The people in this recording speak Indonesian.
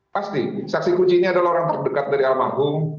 pasti saksi kunci ini adalah orang terdekat dari almarhum